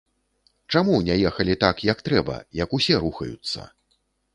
Чаму не ехалі так, як трэба, як усе рухаюцца?